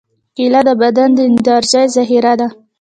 کېله د بدن د انرژۍ ذخیره ده.